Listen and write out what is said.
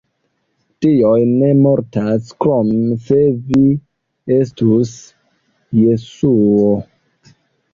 Dioj ne mortas, krom se vi estus Jesuo.